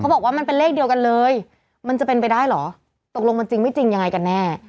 บอกว่ามันเป็นเลขเดียวกันเลยมันจะเป็นไปได้เหรอตกลงมันจริงไม่จริงยังไงกันแน่